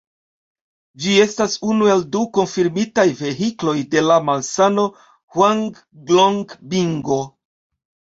Ĝi estas unu el du konfirmitaj vehikloj de la malsano hŭanglongbingo.